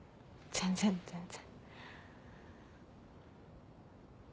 全然全然。